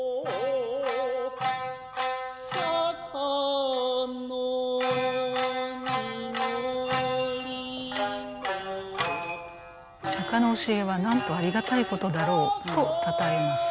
「釈の教えはなんとありがたいことだろう」と讃えます。